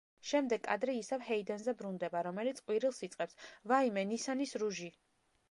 შემდეგ კადრი ისევ ჰეიდენზე ბრუნდება, რომელიც ყვირილს იწყებს: „ვაიმე, ნისანის რუჟი!